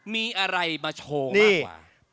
มีอะไรมาโชว์มากกว่า